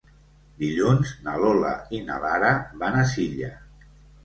Dilluns na Lola i na Lara van a Silla.